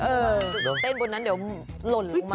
เออเต้นบนนั้นเดี๋ยวหล่นลงมาอีกแล้วค่ะ